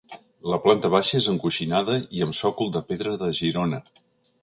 La planta baixa és encoixinada i amb sòcol de pedra de Girona.